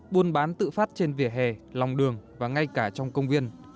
buôn bán tự phát trên vỉa hè lòng đường và ngay cả trong công viên